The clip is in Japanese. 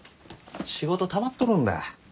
仕事たまっとるんだ。